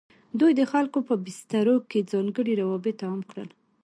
دوی د خلکو په بسترو کې ځانګړي روابط عام کړل.